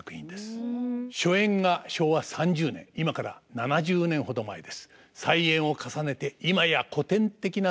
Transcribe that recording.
初演が昭和３０年今から７０年ほど前です。